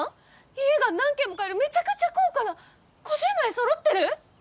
家が何軒も買えるめちゃくちゃ高価な５０枚揃ってる！？